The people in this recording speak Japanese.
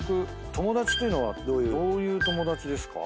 友達というのはどういう友達ですか？